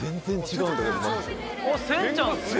千ちゃんすごい！